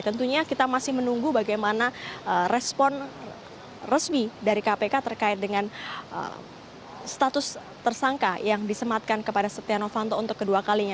tentunya kita masih menunggu bagaimana respon resmi dari kpk terkait dengan status tersangka yang disematkan kepada setia novanto untuk kedua kalinya